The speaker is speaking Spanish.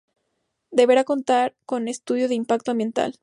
Deberá contar con estudio de impacto ambiental.